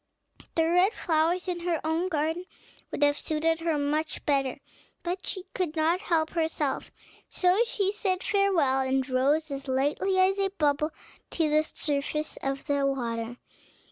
The red flowers in her own garden would have suited her much better, but she could not help herself: so she said, "Farewell," and rose as lightly as a bubble to the surface of the water.